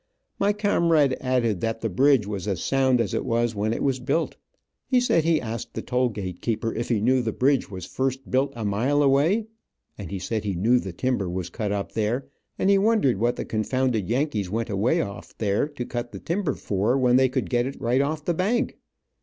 My comrade added that the bridge was as sound as it was when it was built. He said he asked the toll gate keeper if he knew the bridge was first built a mile away, and he said he knew the timber was cut up there, and he wondered what the confounded Yankees went away off there to cut the timber for, when they could get it right on the bank.